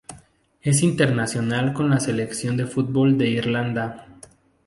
Es internacional con la selección de fútbol de Irlanda.